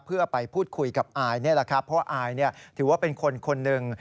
เพื่อไปพูดคุยกับอายนี่แหละครับเพราะอายถือว่าเป็นคนคนหนึ่ง